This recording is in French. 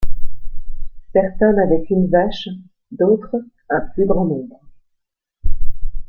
Certains n'avaient qu'une vache, d'autres un plus grand nombre.